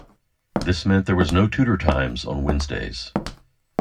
This meant there was no tutor times on Wednesdays.